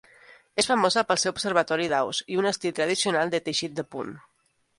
És famosa pel seu observatori d'aus i un estil tradicional de teixit de punt.